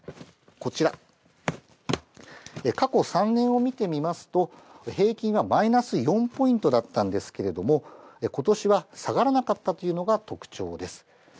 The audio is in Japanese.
こちら、過去３年を見てみますと、平均はマイナス４ポイントだったんですけれども、ことしは下がらなかったというのが特徴です。